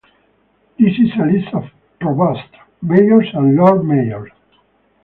This is a list of Provosts, Mayors and Lord Mayors.